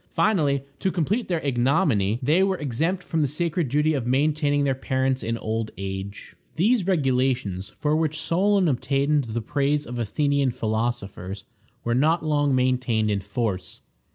Finally, to complete their ignominy, they were exempt from the sacred duty of maintaining their parents in old age. These regulations, for which Solon obtained the praise of Athenian philosophers, were not long maintained in force.